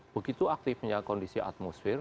begitu aktifnya kondisi atmosfer